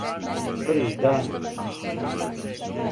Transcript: Први дан а,